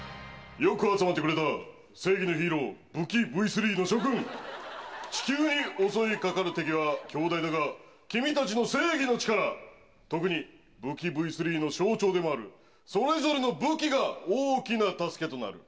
よく集まってくれた、正義のヒーロー、武器Ｖスリーの諸君、地球に襲いかかる敵は、きょうだいだが、君たちの正義の力、特に武器Ｖスリーの象徴でもある、それぞれの武器が大きな助けとなる。